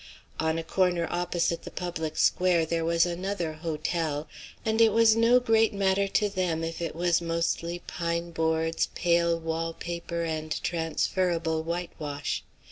On a corner opposite the public square there was another "hotel;" and it was no great matter to them if it was mostly pine boards, pale wall paper, and transferable whitewash.